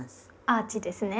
アーチですね。